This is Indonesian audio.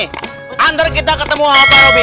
nanti kita ketemu pak robi